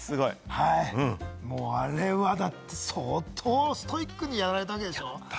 あれは、だって相当ストイックにやられてるでしょ。